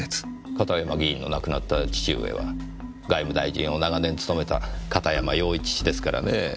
片山議員の亡くなった父上は外務大臣を長年務めた片山擁一氏ですからねぇ。